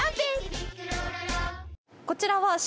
こちらは。